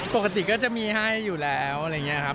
ปกติก็จะมีให้อยู่แล้วอะไรอย่างนี้ครับ